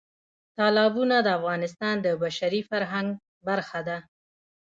تالابونه د افغانستان د بشري فرهنګ برخه ده.